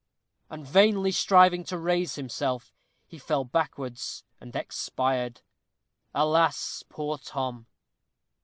And vainly striving to raise himself, he fell backwards and expired. Alas, poor Tom!